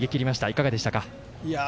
いかがでしたか。